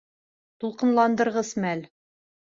Тулҡынландырғыс мәл.